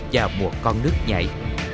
và một con nước nhạy